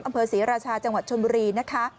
อำเภอศรีราชาจังหวัดชนบุรีนะคะ